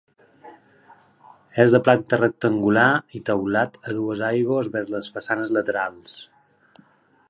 És de planta rectangular i teulat a dues aigües vers les façanes laterals.